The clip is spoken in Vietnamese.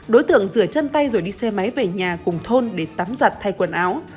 đối tượng rửa chân tay rồi đi xe máy về nhà cùng thôn để tắm giặt thay quần áo